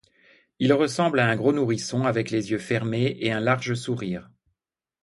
Il ressemble à un gros nourrisson avec les yeux fermés et un large sourire.